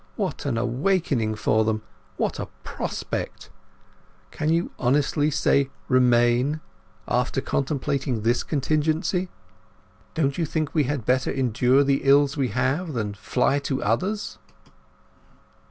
What an awakening for them! What a prospect! Can you honestly say 'Remain' after contemplating this contingency? Don't you think we had better endure the ills we have than fly to others?"